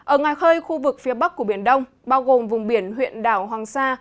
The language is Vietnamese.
ở ngoài khơi khu vực phía bắc của biển đông bao gồm vùng biển huyện đảo hoàng sa